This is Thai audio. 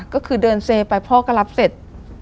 ก็คือเดินเซไปพ่อก็รับเสร็จ